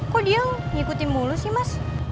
kok dia ngikutin mulu sih mas